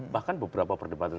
bahkan beberapa perdebatan